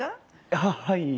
あっはい。